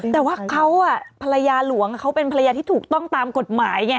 แต่ว่าเขาภรรยาหลวงเขาเป็นภรรยาที่ถูกต้องตามกฎหมายไง